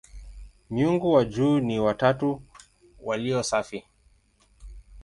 Miungu wa juu ni "watatu walio safi".